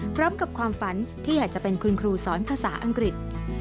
พร้อมกับความฝันที่อยากจะเป็นคุณครูสอนภาษาอังกฤษ